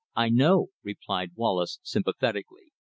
"I know," replied Wallace sympathetically.